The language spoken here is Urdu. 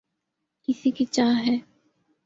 کس کی چاہ ہے